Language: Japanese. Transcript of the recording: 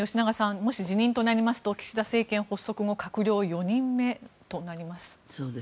もし辞任となりますと岸田政権発足後閣僚４人目となります。